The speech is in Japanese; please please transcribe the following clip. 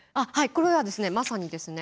これはですねまさにですね